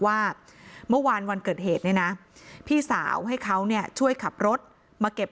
ว่าเมื่อวานวันเกิดเหตุเนี่ยนะพี่สาวให้เขาเนี่ยช่วยขับรถมาเก็บ